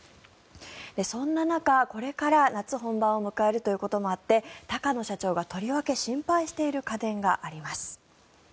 そんな中、これから夏本番を迎えるということもあって高野社長がとりわけ心配している家電があります。